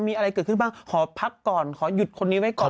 มีอะไรเกิดขึ้นบ้างขอพักก่อนขอหยุดคนนี้ไว้ก่อน